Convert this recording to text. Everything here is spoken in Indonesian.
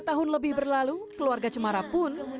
dua puluh dua tahun lebih berlalu keluarga cumara pun